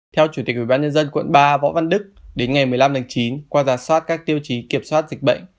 theo chủ tịch ubnd quận ba võ văn đức đến ngày một mươi năm tháng chín qua giả soát các tiêu chí kiểm soát dịch bệnh